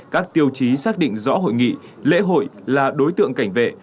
các tiêu chí xác định rõ hội nghị lễ hội là đối tượng cảnh vệ